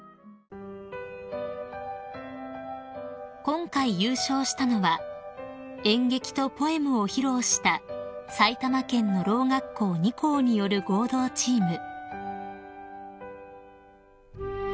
［今回優勝したのは演劇とポエムを披露した埼玉県のろう学校２校による合同チーム］